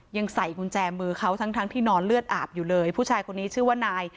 ยังใส่กุญแจมือเขาทั้งทั้งที่นอนเลือดอาบอยู่เลยผู้ชายคนนี้ชื่อว่านาย